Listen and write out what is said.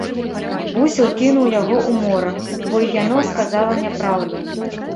Бусел кінуў яго ў мора, бо й яно сказала няпраўду.